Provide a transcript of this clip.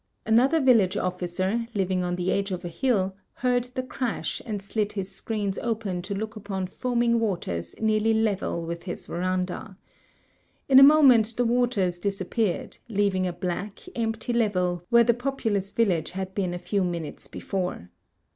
Another village officer, living on the edge of a hill, heard the crash and slid bis screens open to look upon foaming waters nearly level with bis veranda. In a moment the waters dis appeared, leaving a black, cm jjty level where the populous village had been a few minutes before.